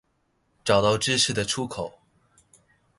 找到知識的出口